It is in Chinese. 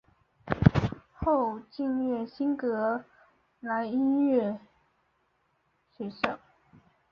后进入新英格兰音乐院预备学校。